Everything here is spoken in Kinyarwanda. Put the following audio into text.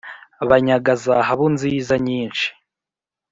Banyaga zahabu nziza nyinshi